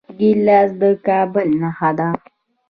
ګیلاس د کابل نښه ده.